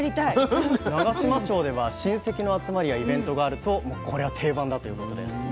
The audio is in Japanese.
もう長島町では親戚の集まりやイベントがあるとこれは定番だということです。